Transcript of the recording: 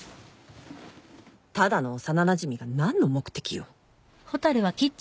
ただの幼なじみが何の目的よ？